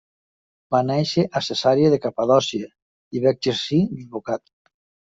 Va néixer a Cesarea de Capadòcia i va exercir d'advocat.